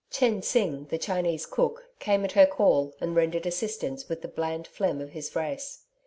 Chen Sing, the Chinese cook, came at her call, and rendered assistance with the bland phlegm of his race.